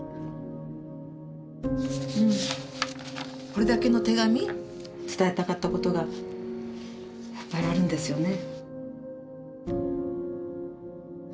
これだけの手紙伝えたかったことがいっぱいあるんですよね。